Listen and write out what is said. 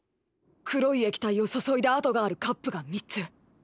黒い液体を注いだ跡があるカップが３つ。